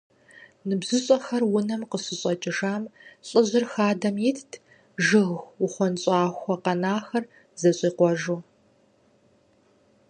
НыбжьыщӀэхэр унэм къыщыщӀэкӀыжам, лӏыжьыр хадэм итт, жыг ухъуэнщӀахуэ къэнахэр зэщӀикъуэжу.